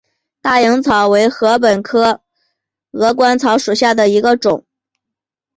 大颖草为禾本科鹅观草属下的一个种。